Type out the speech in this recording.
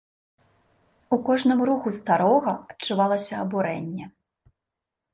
У кожным руху старога адчувалася абурэнне.